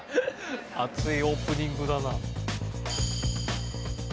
熱いオープニングだな。